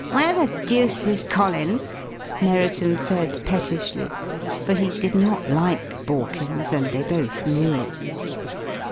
"Where the deuce is Collins?" Merriton said pettishly, for he did not like Borkins, and they both knew it.